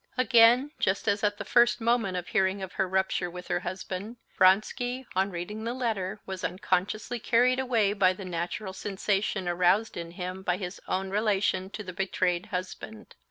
Again, just as at the first moment of hearing of her rupture with her husband, Vronsky, on reading the letter, was unconsciously carried away by the natural sensation aroused in him by his own relation to the betrayed husband.